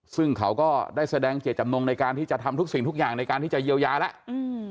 ซึ่งเขาก็ได้แสดงเจตจำนงในการที่จะทำทุกสิ่งทุกอย่างในการที่จะเยียวยาแล้ว